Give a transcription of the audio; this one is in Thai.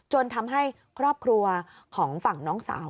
ทำให้ครอบครัวของฝั่งน้องสาว